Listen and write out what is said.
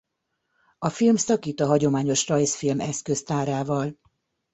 A film szakít a hagyományos rajzfilm eszköztárával.